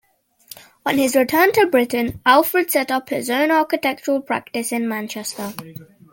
On his return to Britain, Alfred set up his own architectural practice in Manchester.